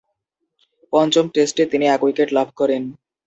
পঞ্চম টেস্টে তিনি এক উইকেট লাভ করেন।